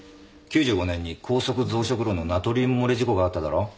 ９５年に高速増殖炉のナトリウム漏れ事故があっただろ。